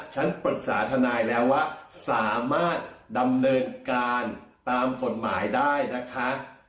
ฉันปรึกษาทนายแล้วว่าสามารถดำเนินการตามกฎหมายได้นะคะ